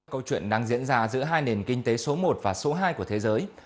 câu chuyện đang diễn ra giữa hai nền kinh tế số một và số hai của thế giới